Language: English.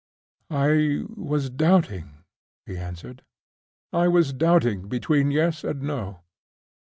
"I was doubting," he answered—"I was doubting between Yes and No."